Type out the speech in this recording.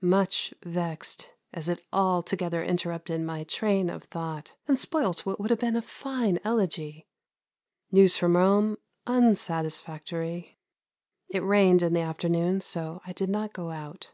Much vexed, as it altogether interrupted my train of thought and spoilt what would have been a fine elegy. News from Rome unsatisfactory. It rained in the afternoon, so I did not go out.